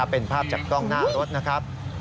เป็นภาพจากกล้องหน้ารถนะครับ